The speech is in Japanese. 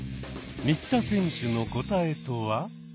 新田選手の答えとは？